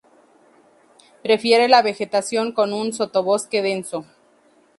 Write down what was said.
Prefiere la vegetación con un sotobosque denso.